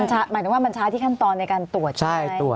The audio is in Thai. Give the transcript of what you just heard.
หมายถึงว่ามันช้าที่ขั้นตอนในการตรวจใช่ไหม